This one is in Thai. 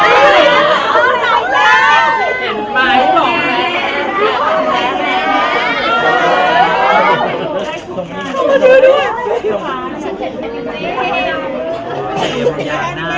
เรายังว่าคุณเชื่อได้มากครับ